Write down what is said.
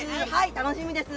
楽しみです。